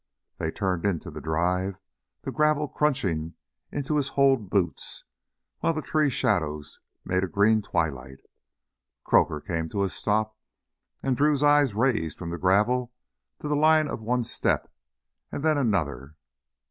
They turned into the drive, the gravel crunching into his holed boots while the tree shadows made a green twilight. Croaker came to a stop, and Drew's eyes raised from the gravel to the line of one step and then another.